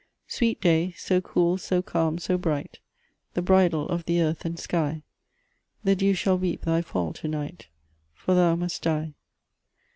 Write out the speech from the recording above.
Sweet day, so cool, so calm, so bright, The bridal of the earth and sky, The dew shall weep thy fall to night; For thou must die.